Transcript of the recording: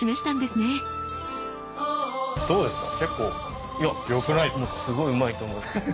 すごいうまいと思いますよ。